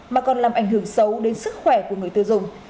mà còn làm ảnh hưởng xấu đến sức khỏe của người tiêu dùng